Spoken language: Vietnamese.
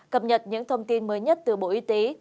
cập nhật những thông tin mới nhất từ bộ y tế